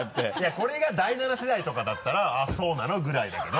これが第７世代とかだったら「あっそうなの」ぐらいだけど。